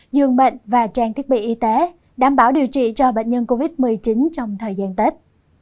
dường bệnh và trang thiết bị y tế đảm bảo điều trị cho bệnh nhân covid một mươi chín trong thời gian tết